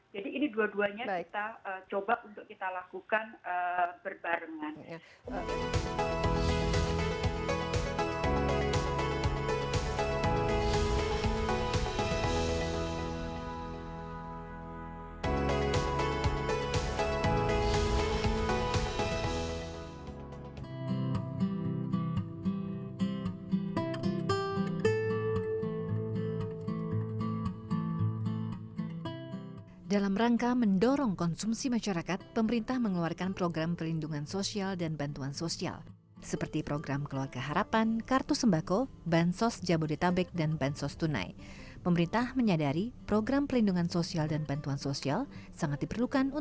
jadi ini dua duanya kita coba untuk kita lakukan berbarengan